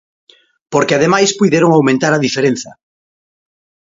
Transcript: Porque ademais puideron aumentar a diferenza.